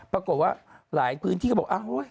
ปรากฏว่าหลายพื้นที่ก็บอก